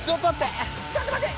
ちょっとまって！